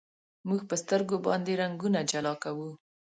موږ په سترګو باندې رنګونه جلا کوو.